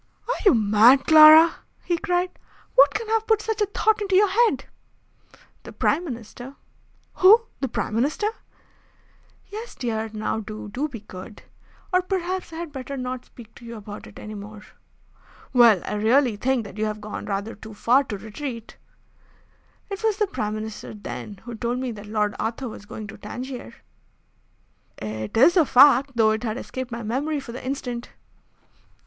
"Are you mad, Clara!" he cried. "What can have put such a thought into your head?" "The Prime Minister." "Who? The Prime Minister?" "Yes, dear. Now do, do be good! Or perhaps I had better not speak to you about it any more." "Well, I really think that you have gone rather too far to retreat." "It was the Prime Minister, then, who told me that Lord Arthur was going to Tangier." "It is a fact, though it had escaped my memory for the instant."